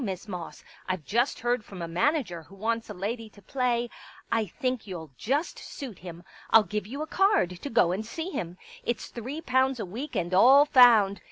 Miss Moss. I've just heard from a manager who wants a lady to play. ... I think you'll just suit him. I'll give you a card to go and see him. It's three pounds a week and all found.